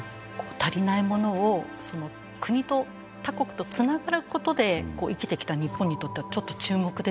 足りないものを国と他国とつながることで生きてきた日本にとってはちょっと注目ですよね。